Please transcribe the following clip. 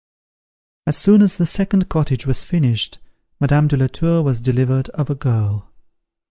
As soon as the second cottage was finished, Madame de la Tour was delivered of a girl.